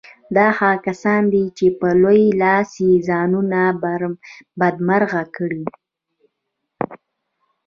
دا هغه کسان دي چې په لوی لاس یې ځانونه بدمرغه کړي